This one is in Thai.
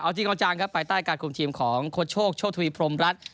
เอาที่เกาะจังครับไปใต้การคุมทีมของโคชโศกโชคธุรีพรมรัฐ